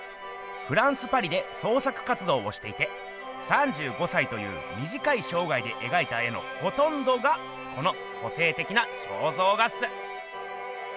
フランスパリで創作活動をしていて３５歳というみじかいしょうがいでえがいた絵のほとんどがこの個性的な肖像画っす。